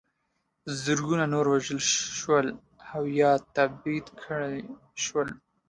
زرګونه نور ووژل شول او یا تبعید کړای شول.